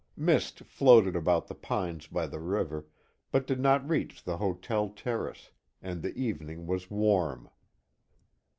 Mist floated about the pines by the river, but did not reach the hotel terrace, and the evening was warm.